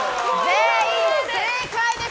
全員正解です！